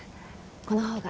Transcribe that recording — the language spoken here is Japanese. このほうが。